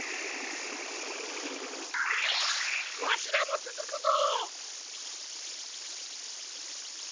わしらもつづくぞ！